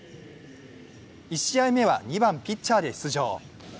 １試合目は２番・ピッチャーで出場。